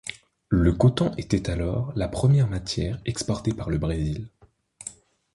Le coton était alors la première matière exportée par le Brésil.